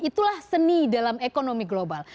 itulah seni dalam ekonomi global